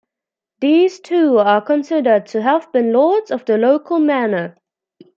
These two are considered to have been lords of the local manor.